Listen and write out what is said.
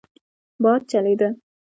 باد چلېده.